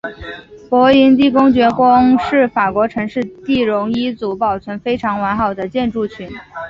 勃艮第公爵宫是法国城市第戎一组保存非常完好的建筑群。